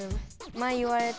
前言われた。